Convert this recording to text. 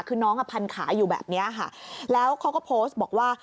คือน้องอ่ะพันขาอยู่แบบนี้ค่ะแล้วเขาก็โพสต์บอกว่า